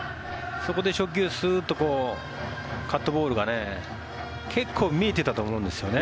そこで初球、スーッとカットボールが結構見えていたと思うんですよね。